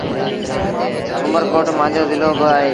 اُمر ڪوٽ مآݩجو زلو با اهي۔